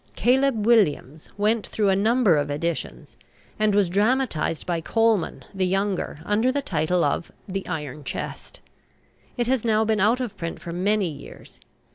"Caleb Williams" went through a number of editions, and was dramatized by Colman the younger under the title of "The Iron Chest." It has now been out of print for many years.